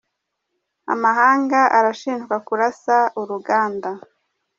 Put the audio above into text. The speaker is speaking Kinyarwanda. Amahanga arashinjwa kurasa uruganda